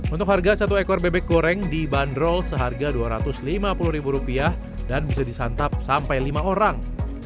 untuk harga satu ekor bebek goreng dibanderol seharga dua ratus lima puluh ribu rupiah dan bisa disantap sampai lima orang